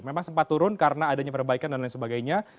memang sempat turun karena adanya perbaikan dan lain sebagainya